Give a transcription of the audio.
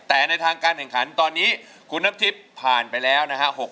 แต่ในทางการแข่งขันตอนนี้คุณน้ำทิพย์ผ่านไปแล้วนะฮะ